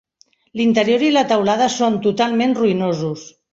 L'interior i la teulada són totalment ruïnosos.